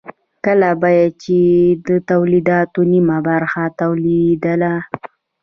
کله به چې د تولیداتو نیمه برخه تولیدېدله